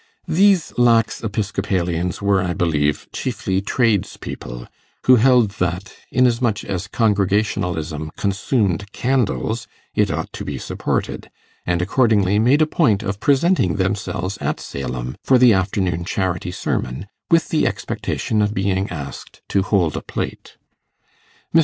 These lax Episcopalians were, I believe, chiefly tradespeople, who held that, inasmuch as Congregationalism consumed candles, it ought to be supported, and accordingly made a point of presenting themselves at Salem for the afternoon charity sermon, with the expectation of being asked to hold a plate. Mr.